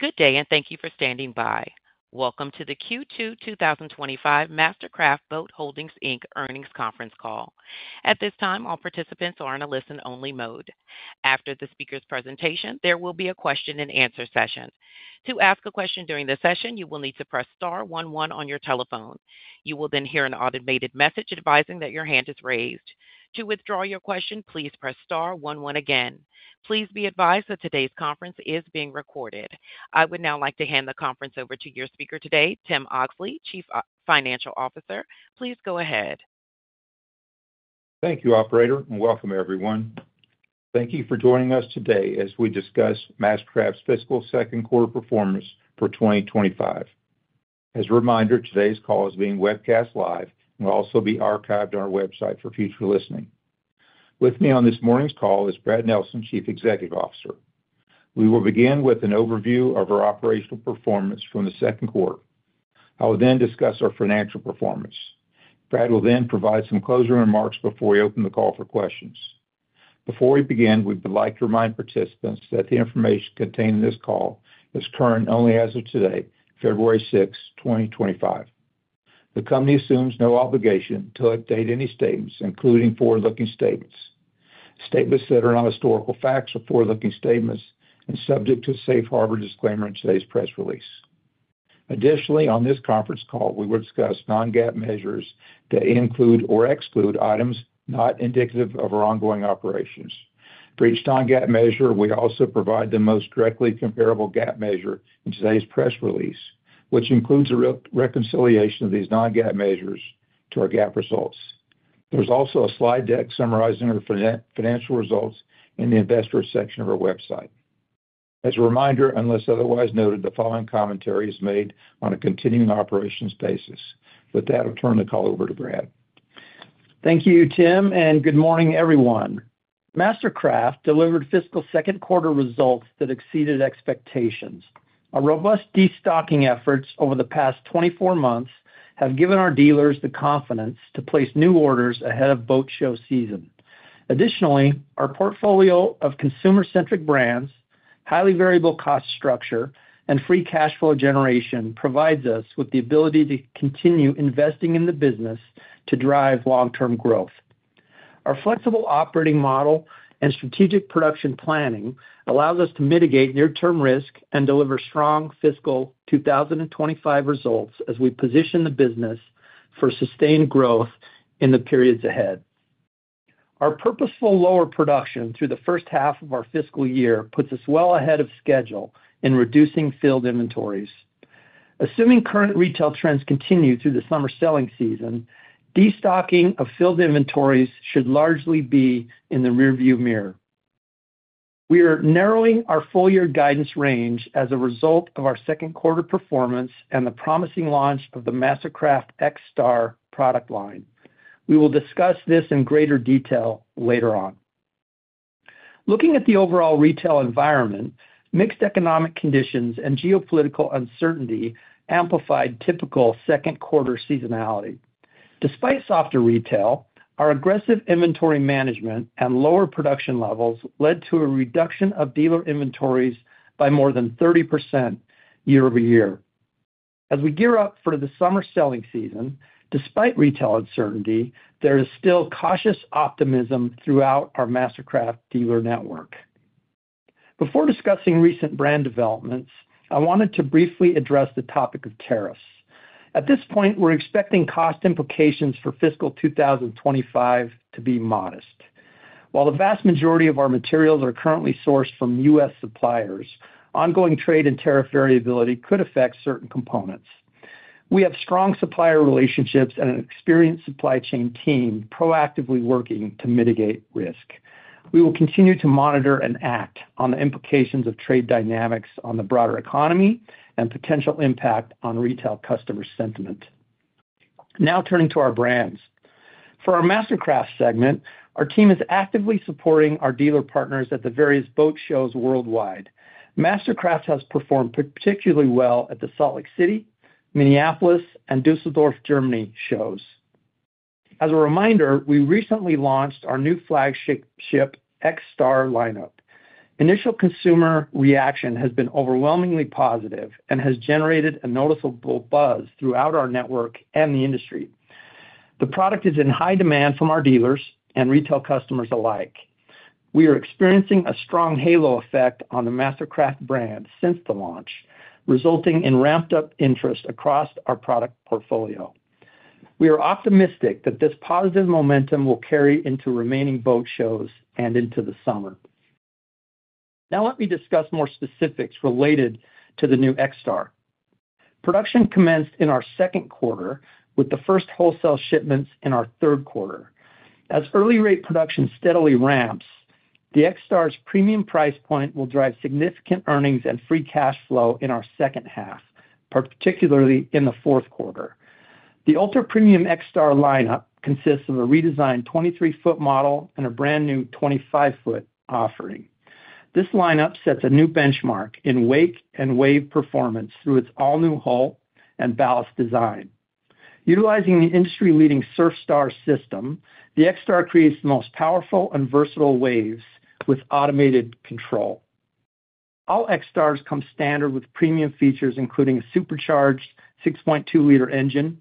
Good day, and thank you for standing by. Welcome to the Q2 2025 MasterCraft Boat Holdings Inc earnings conference call. At this time, all participants are in a listen-only mode. After the speaker's presentation, there will be a question-and-answer session. To ask a question during the session, you will need to press star one one on your telephone. You will then hear an automated message advising that your hand is raised. To withdraw your question, please press star one one again. Please be advised that today's conference is being recorded. I would now like to hand the conference over to your speaker today, Tim Oxley, Chief Financial Officer. Please go ahead. Thank you, Operator, and welcome, everyone. Thank you for joining us today as we discuss MasterCraft's fiscal second quarter performance for 2025. As a reminder, today's call is being webcast live and will also be archived on our website for future listening. With me on this morning's call is Brad Nelson, Chief Executive Officer. We will begin with an overview of our operational performance from the second quarter. I will then discuss our financial performance. Brad will then provide some closing remarks before we open the call for questions. Before we begin, we would like to remind participants that the information contained in this call is current only as of today, February 6, 2025. The company assumes no obligation to update any statements, including forward-looking statements. Statements that are not historical facts are forward-looking statements and subject to a safe harbor disclaimer in today's press release. Additionally, on this conference call, we will discuss non-GAAP measures that include or exclude items not indicative of our ongoing operations. For each non-GAAP measure, we also provide the most directly comparable GAAP measure in today's press release, which includes a reconciliation of these non-GAAP measures to our GAAP results. There's also a slide deck summarizing our financial results in the investor section of our website. As a reminder, unless otherwise noted, the following commentary is made on a continuing operations basis. With that, I'll turn the call over to Brad. Thank you, Tim, and good morning, everyone. MasterCraft delivered fiscal second quarter results that exceeded expectations. Our robust destocking efforts over the past 24 months have given our dealers the confidence to place new orders ahead of boat show season. Additionally, our portfolio of consumer-centric brands, highly variable cost structure, and free cash flow generation provides us with the ability to continue investing in the business to drive long-term growth. Our flexible operating model and strategic production planning allows us to mitigate near-term risk and deliver strong fiscal 2025 results as we position the business for sustained growth in the periods ahead. Our purposeful lower production through the first half of our fiscal year puts us well ahead of schedule in reducing field inventories. Assuming current retail trends continue through the summer selling season, destocking of field inventories should largely be in the rearview mirror. We are narrowing our full-year guidance range as a result of our second quarter performance and the promising launch of the MasterCraft XStar product line. We will discuss this in greater detail later on. Looking at the overall retail environment, mixed economic conditions and geopolitical uncertainty amplified typical second quarter seasonality. Despite softer retail, our aggressive inventory management and lower production levels led to a reduction of dealer inventories by more than 30% year-over-year. As we gear up for the summer selling season, despite retail uncertainty, there is still cautious optimism throughout our MasterCraft dealer network. Before discussing recent brand developments, I wanted to briefly address the topic of tariffs. At this point, we're expecting cost implications for fiscal 2025 to be modest. While the vast majority of our materials are currently sourced from U.S. suppliers, ongoing trade and tariff variability could affect certain components. We have strong supplier relationships and an experienced supply chain team proactively working to mitigate risk. We will continue to monitor and act on the implications of trade dynamics on the broader economy and potential impact on retail customer sentiment. Now turning to our brands. For our MasterCraft segment, our team is actively supporting our dealer partners at the various boat shows worldwide. MasterCraft has performed particularly well at the Salt Lake City, Minneapolis, and Düsseldorf, Germany shows. As a reminder, we recently launched our new flagship XStar lineup. Initial consumer reaction has been overwhelmingly positive and has generated a noticeable buzz throughout our network and the industry. The product is in high demand from our dealers and retail customers alike. We are experiencing a strong halo effect on the MasterCraft brand since the launch, resulting in ramped-up interest across our product portfolio. We are optimistic that this positive momentum will carry into remaining boat shows and into the summer. Now let me discuss more specifics related to the new XStar. Production commenced in our second quarter, with the first wholesale shipments in our third quarter. As early-rate production steadily ramps, the XStar's premium price point will drive significant earnings and free cash flow in our second half, particularly in the fourth quarter. The ultra-premium XStar lineup consists of a redesigned 23-foot model and a brand new 25-foot offering. This lineup sets a new benchmark in wake and wave performance through its all-new hull and ballast design. Utilizing the industry-leading SurfStar system, the XStar creates the most powerful and versatile waves with automated control. All XStars come standard with premium features, including a supercharged 6.2-liter engine,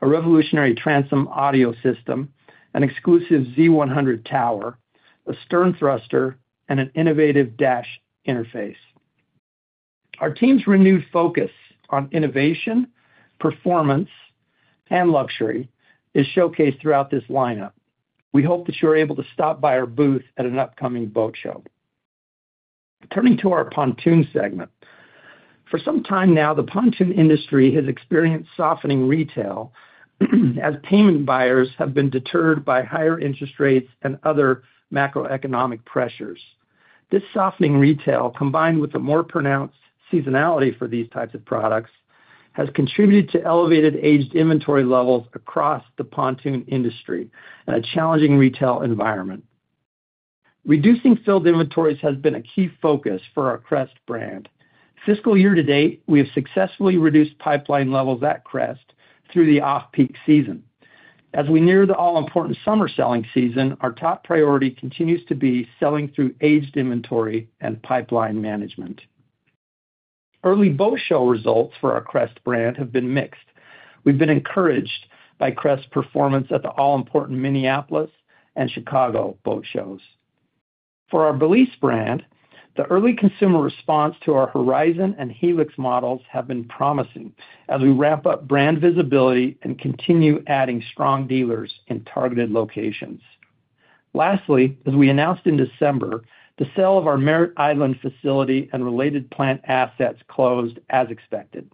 a revolutionary transom audio system, an exclusive Z100 tower, a stern thruster, and an innovative dash interface. Our team's renewed focus on innovation, performance, and luxury is showcased throughout this lineup. We hope that you're able to stop by our booth at an upcoming boat show. Turning to our pontoon segment. For some time now, the pontoon industry has experienced softening retail as payment buyers have been deterred by higher interest rates and other macroeconomic pressures. This softening retail, combined with the more pronounced seasonality for these types of products, has contributed to elevated aged inventory levels across the pontoon industry and a challenging retail environment. Reducing field inventories has been a key focus for our Crest brand. Fiscal year to date, we have successfully reduced pipeline levels at Crest through the off-peak season. As we near the all-important summer selling season, our top priority continues to be selling through aged inventory and pipeline management. Early boat show results for our Crest brand have been mixed. We've been encouraged by Crest's performance at the all-important Minneapolis and Chicago boat shows. For our Balise brand, the early consumer response to our Horizon and Helix models has been promising as we ramp up brand visibility and continue adding strong dealers in targeted locations. Lastly, as we announced in December, the sale of our Merritt Island facility and related plant assets closed as expected.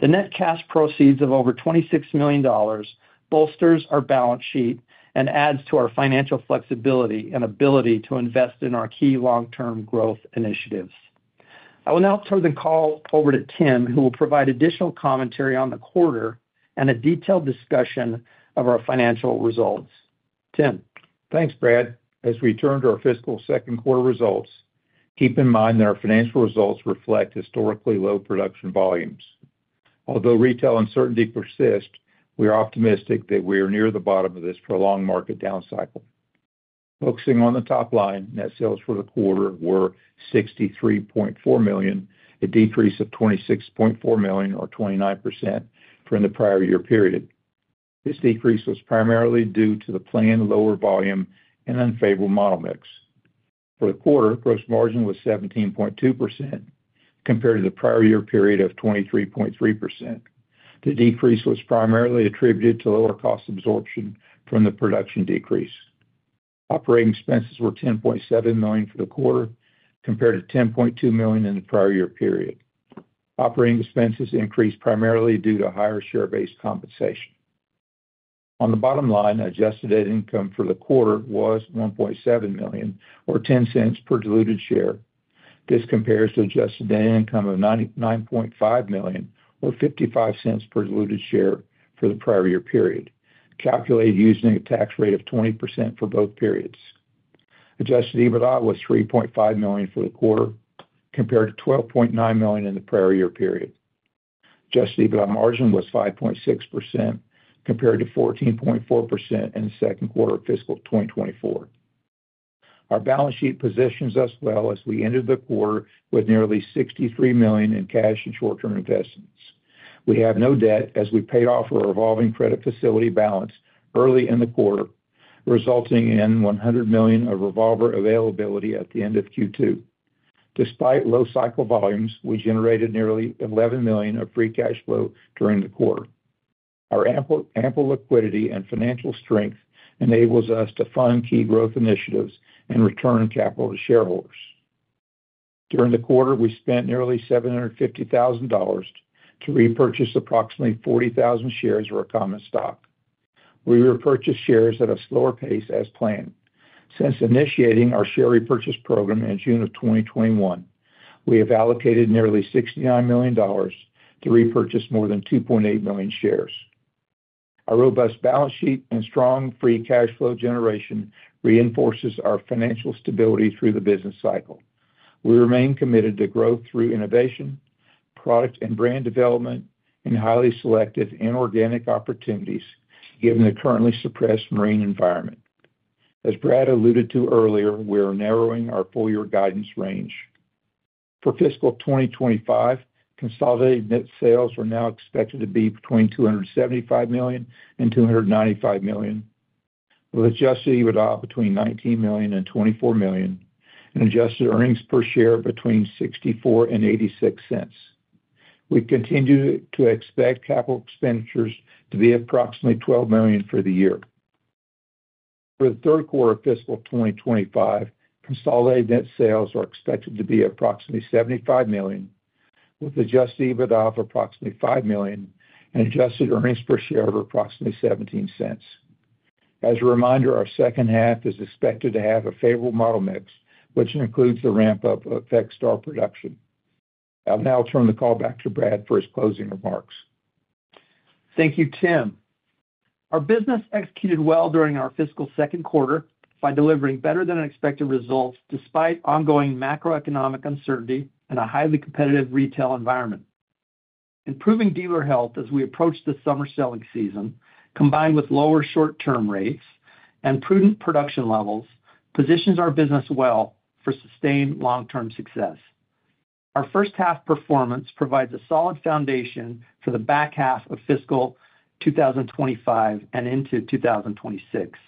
The net cash proceeds of over $26 million bolsters our balance sheet and adds to our financial flexibility and ability to invest in our key long-term growth initiatives. I will now turn the call over to Tim, who will provide additional commentary on the quarter and a detailed discussion of our financial results. Tim. Thanks, Brad. As we turn to our fiscal second quarter results, keep in mind that our financial results reflect historically low production volumes. Although retail uncertainty persists, we are optimistic that we are near the bottom of this prolonged market down cycle. Focusing on the top line, net sales for the quarter were $63.4 million, a decrease of $26.4 million, or 29%, from the prior year period. This decrease was primarily due to the planned lower volume and unfavorable model mix. For the quarter, gross margin was 17.2%, compared to the prior year period of 23.3%. The decrease was primarily attributed to lower cost absorption from the production decrease. Operating expenses were $10.7 million for the quarter, compared to $10.2 million in the prior year period. Operating expenses increased primarily due to higher share-based compensation. On the bottom line, adjusted net income for the quarter was $1.7 million, or $0.10 per diluted share. This compares to adjusted net income of $9.5 million, or $0.55 per diluted share for the prior year period, calculated using a tax rate of 20% for both periods. Adjusted EBITDA was $3.5 million for the quarter, compared to $12.9 million in the prior year period. Adjusted EBITDA margin was 5.6%, compared to 14.4% in the second quarter of fiscal 2024. Our balance sheet positions us well as we ended the quarter with nearly $63 million in cash and short-term investments. We have no debt as we paid off our revolving credit facility balance early in the quarter, resulting in $100 million of revolver availability at the end of Q2. Despite low cycle volumes, we generated nearly $11 million of free cash flow during the quarter. Our ample liquidity and financial strength enables us to fund key growth initiatives and return capital to shareholders. During the quarter, we spent nearly $750,000 to repurchase approximately 40,000 shares of our common stock. We repurchased shares at a slower pace as planned. Since initiating our share repurchase program in June of 2021, we have allocated nearly $69 million to repurchase more than 2.8 million shares. Our robust balance sheet and strong free cash flow generation reinforces our financial stability through the business cycle. We remain committed to growth through innovation, product and brand development, and highly selective inorganic opportunities, given the currently suppressed marine environment. As Brad alluded to earlier, we are narrowing our full-year guidance range. For fiscal 2025, consolidated net sales are now expected to be between $275 million and $295 million, with Adjusted EBITDA between $19 million and $24 million, and adjusted earnings per share between $0.64 and $0.86. We continue to expect capital expenditures to be approximately $12 million for the year. For the third quarter of fiscal 2025, consolidated net sales are expected to be approximately $75 million, with Adjusted EBITDA of approximately $5 million and adjusted earnings per share of approximately $0.17. As a reminder, our second half is expected to have a favorable model mix, which includes the ramp-up of XStar production. I'll now turn the call back to Brad for his closing remarks. Thank you, Tim. Our business executed well during our fiscal second quarter by delivering better-than-expected results despite ongoing macroeconomic uncertainty and a highly competitive retail environment. Improving dealer health as we approach the summer selling season, combined with lower short-term rates and prudent production levels, positions our business well for sustained long-term success. Our first half performance provides a solid foundation for the back half of fiscal 2025 and into 2026.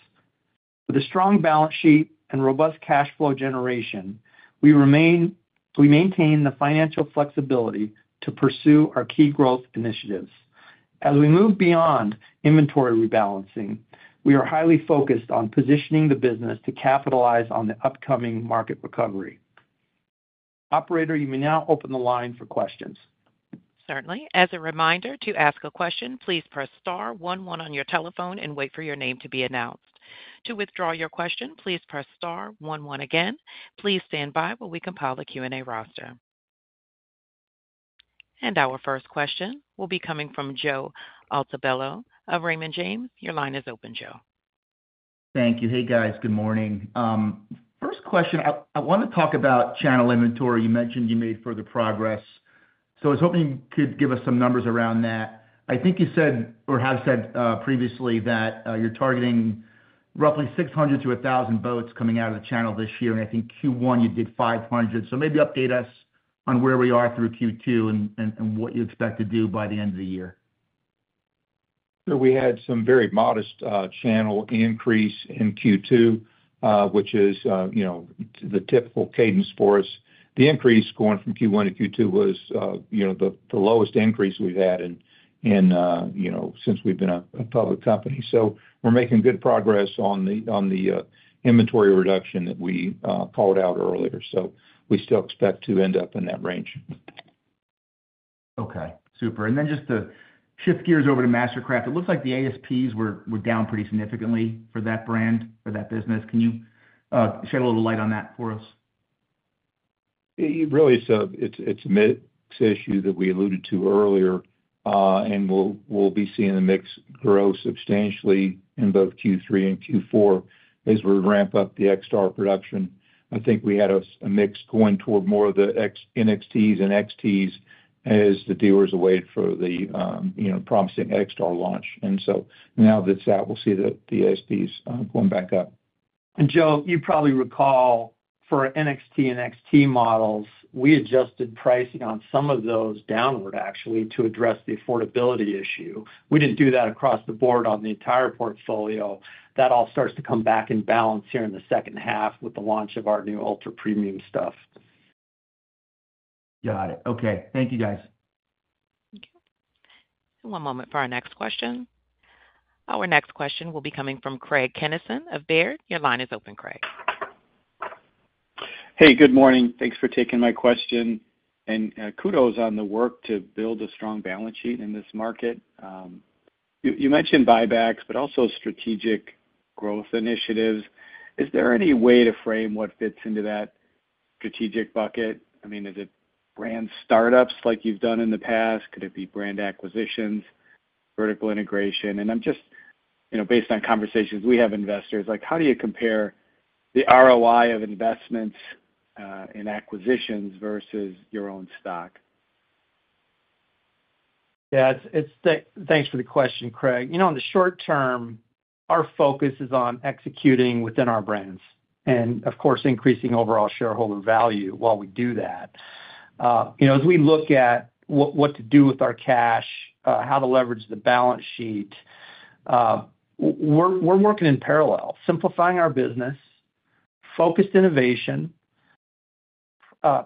With a strong balance sheet and robust cash flow generation, we maintain the financial flexibility to pursue our key growth initiatives. As we move beyond inventory rebalancing, we are highly focused on positioning the business to capitalize on the upcoming market recovery. Operator, you may now open the line for questions. Certainly. As a reminder, to ask a question, please press star one one on your telephone and wait for your name to be announced. To withdraw your question, please press star one one again. Please stand by while we compile the Q&A roster. And our first question will be coming from Joe Altobello, of Raymond James. Your line is open, Joe. Thank you. Hey, guys. Good morning. First question, I want to talk about channel inventory. You mentioned you made further progress. So I was hoping you could give us some numbers around that. I think you said, or have said previously, that you're targeting roughly 600 to 1,000 boats coming out of the channel this year. And I think Q1 you did 500. So maybe update us on where we are through Q2 and what you expect to do by the end of the year. So we had some very modest channel increase in Q2, which is the typical cadence for us. The increase going from Q1 to Q2 was the lowest increase we've had since we've been a public company. So we're making good progress on the inventory reduction that we called out earlier. So we still expect to end up in that range. Okay. Super. And then just to shift gears over to MasterCraft, it looks like the ASPs were down pretty significantly for that brand, for that business. Can you shed a little light on that for us? Really, it's a mixed issue that we alluded to earlier. And we'll be seeing the mix grow substantially in both Q3 and Q4 as we ramp up the XStar production. I think we had a mix going toward more of the NXTs and XTs as the dealers await for the promising XStar launch. And so now that's out, we'll see the ASPs going back up. Joe, you probably recall for NXT and XT models, we adjusted pricing on some of those downward, actually, to address the affordability issue. We didn't do that across the board on the entire portfolio. That all starts to come back in balance here in the second half with the launch of our new ultra-premium stuff. Got it. Okay. Thank you, guys. Okay. One moment for our next question. Our next question will be coming from Craig Kennison, of Baird. Your line is open, Craig. Hey, good morning. Thanks for taking my question. And kudos on the work to build a strong balance sheet in this market. You mentioned buybacks, but also strategic growth initiatives. Is there any way to frame what fits into that strategic bucket? I mean, is it brand startups like you've done in the past? Could it be brand acquisitions, vertical integration? And I'm just, based on conversations we have investors, how do you compare the ROI of investments in acquisitions versus your own stock? Yeah. Thanks for the question, Craig. You know, in the short term, our focus is on executing within our brands and, of course, increasing overall shareholder value while we do that. As we look at what to do with our cash, how to leverage the balance sheet, we're working in parallel: simplifying our business, focused innovation,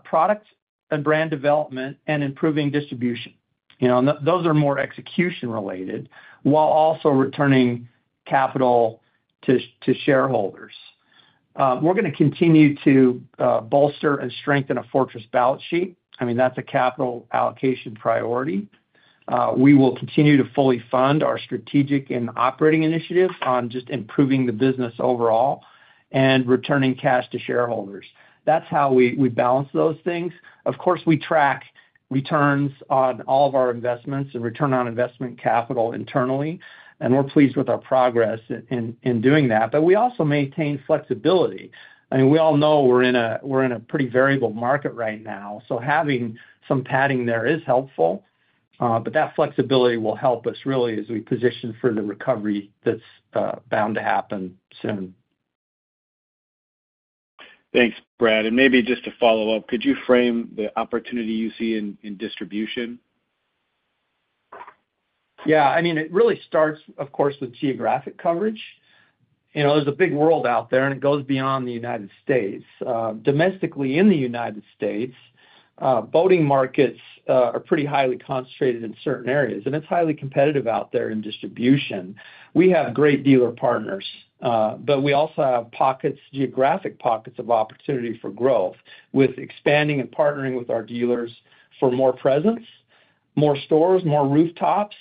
product and brand development, and improving distribution. Those are more execution-related while also returning capital to shareholders. We're going to continue to bolster and strengthen a fortress balance sheet. I mean, that's a capital allocation priority. We will continue to fully fund our strategic and operating initiatives on just improving the business overall and returning cash to shareholders. That's how we balance those things. Of course, we track returns on all of our investments and return on investment capital internally, and we're pleased with our progress in doing that, but we also maintain flexibility. I mean, we all know we're in a pretty variable market right now. So having some padding there is helpful. But that flexibility will help us, really, as we position for the recovery that's bound to happen soon. Thanks, Brad. And maybe just to follow up, could you frame the opportunity you see in distribution? Yeah. I mean, it really starts, of course, with geographic coverage. There's a big world out there, and it goes beyond the United States. Domestically, in the United States, boating markets are pretty highly concentrated in certain areas. And it's highly competitive out there in distribution. We have great dealer partners. But we also have geographic pockets of opportunity for growth with expanding and partnering with our dealers for more presence, more stores, more rooftops.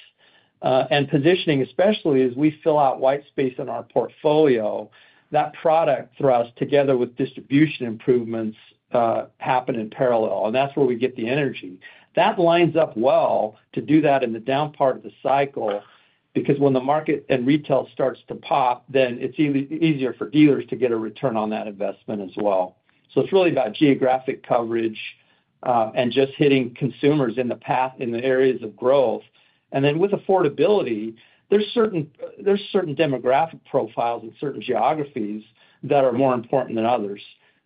And positioning, especially, as we fill out white space in our portfolio, that product throws together with distribution improvements happen in parallel. And that's where we get the energy. That lines up well to do that in the down part of the cycle because when the market and retail starts to pop, then it's easier for dealers to get a return on that investment as well. So it's really about geographic coverage and just hitting consumers in the areas of growth. And then with affordability, there's certain demographic profiles and certain geographies that are more important than others.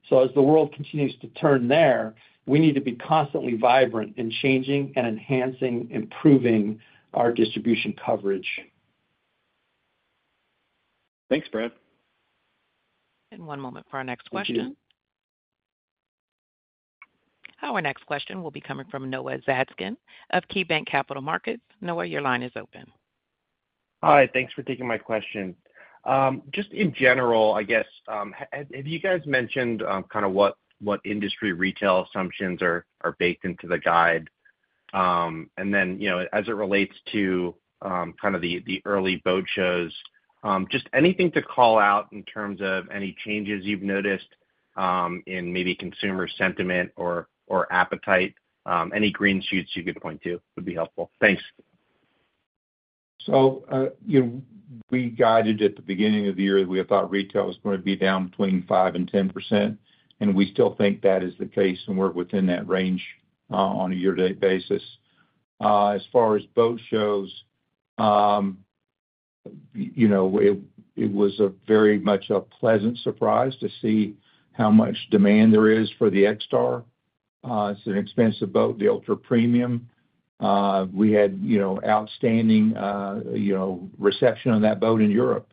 So as the world continues to turn there, we need to be constantly vibrant in changing and enhancing, improving our distribution coverage. Thanks, Brad. And one moment for our next question. Our next question will be coming from Noah Zatzkin of KeyBanc Capital Markets. Noah, your line is open. Hi. Thanks for taking my question. Just in general, I guess, have you guys mentioned kind of what industry retail assumptions are baked into the guide? And then as it relates to kind of the early boat shows, just anything to call out in terms of any changes you've noticed in maybe consumer sentiment or appetite? Any green shoots you could point to would be helpful. Thanks. We guided at the beginning of the year that we thought retail was going to be down between 5% and 10%. And we still think that is the case. And we're within that range on a year-to-date basis. As far as boat shows, it was very much a pleasant surprise to see how much demand there is for the XStar. It's an expensive boat, the ultra-premium. We had outstanding reception on that boat in Europe.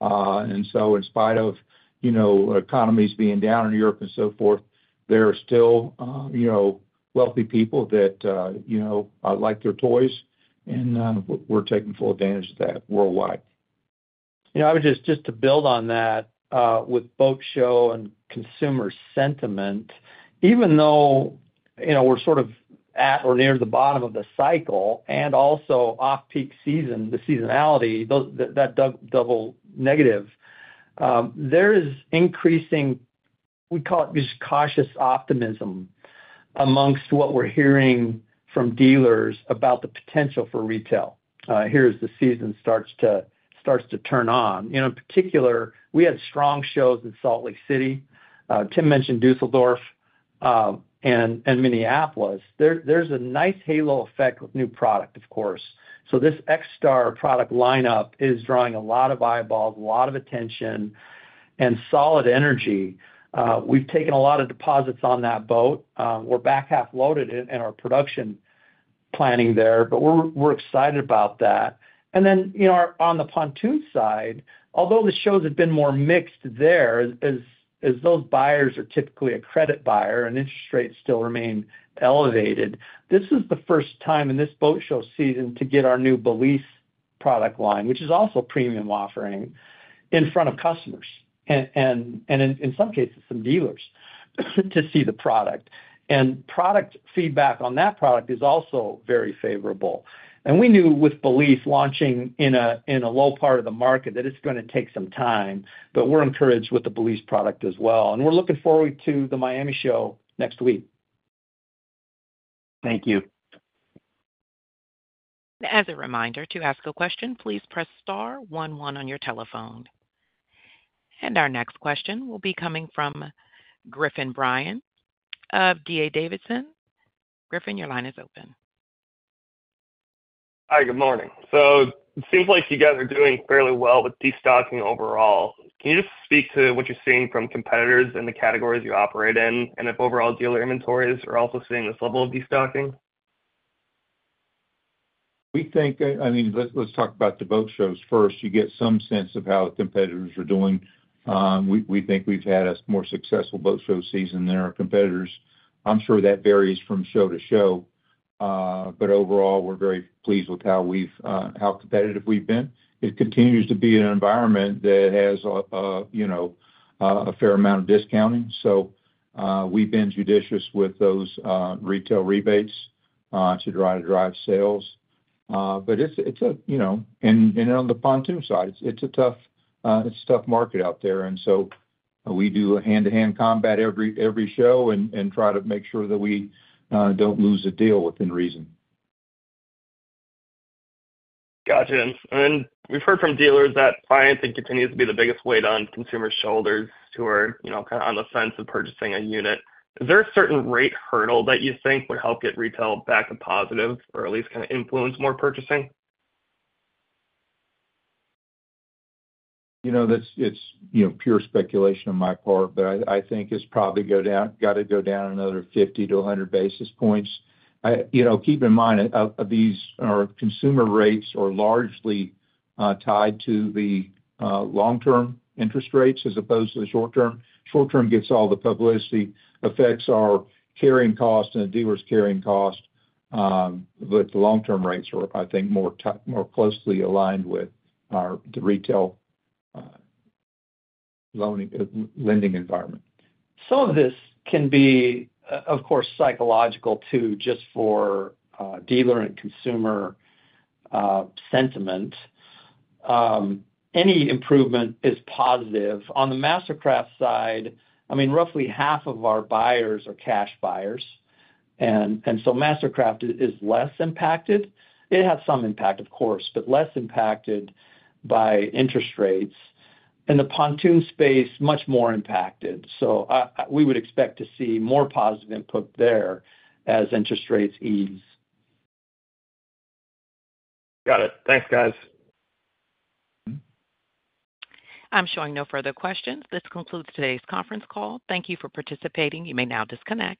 And so in spite of economies being down in Europe and so forth, there are still wealthy people that like their toys. And we're taking full advantage of that worldwide. I would just, just to build on that with boat show and consumer sentiment, even though we're sort of at or near the bottom of the cycle and also off-peak season, the seasonality, that double negative, there is increasing, we call it just cautious optimism amongst what we're hearing from dealers about the potential for retail. Here's the season starts to turn on. In particular, we had strong shows in Salt Lake City. Tim mentioned Düsseldorf and Minneapolis. There's a nice halo effect with new product, of course. So this XStar product lineup is drawing a lot of eyeballs, a lot of attention, and solid energy. We've taken a lot of deposits on that boat. We're back half loaded in our production planning there. But we're excited about that. And then, on the pontoon side, although the shows have been more mixed there, as those buyers are typically a credit buyer and interest rates still remain elevated, this is the first time in this boat show season to get our new Balise product line, which is also premium offering, in front of customers and, in some cases, some dealers to see the product. And product feedback on that product is also very favorable. And we knew with Balise launching in a low part of the market that it's going to take some time. But we're encouraged with the Balise product as well. And we're looking forward to the Miami show next week. Thank you. And as a reminder, to ask a question, please press star one one on your telephone. And our next question will be coming from Griffin Bryan of D.A. Davidson. Griffin, your line is open. Hi. Good morning. So it seems like you guys are doing fairly well with destocking overall. Can you just speak to what you're seeing from competitors in the categories you operate in and if overall dealer inventories are also seeing this level of destocking? We think, I mean, let's talk about the boat shows first. You get some sense of how competitors are doing. We think we've had a more successful boat show season than our competitors. I'm sure that varies from show to show. But overall, we're very pleased with how competitive we've been. It continues to be an environment that has a fair amount of discounting. So we've been judicious with those retail rebates to try to drive sales. But it's a, and on the pontoon side, it's a tough market out there. And so we do a hand-to-hand combat every show and try to make sure that we don't lose a deal within reason. Gotcha. And we've heard from dealers that buying things continues to be the biggest weight on consumers' shoulders who are kind of on the fence of purchasing a unit. Is there a certain rate hurdle that you think would help get retail back to positive or at least kind of influence more purchasing? You know, it's pure speculation on my part. But I think it's probably got to go down another 50-100 basis points. Keep in mind, these consumer rates are largely tied to the long-term interest rates as opposed to the short-term. Short-term gets all the publicity, affects our carrying cost and dealer's carrying cost. But the long-term rates are, I think, more closely aligned with the retail lending environment. Some of this can be, of course, psychological too, just for dealer and consumer sentiment. Any improvement is positive. On the MasterCraft side, I mean, roughly half of our buyers are cash buyers, and so MasterCraft is less impacted. It has some impact, of course, but less impacted by interest rates, and the pontoon space, much more impacted, so we would expect to see more positive input there as interest rates ease. Got it. Thanks, guys. I'm showing no further questions. This concludes today's conference call. Thank you for participating. You may now disconnect.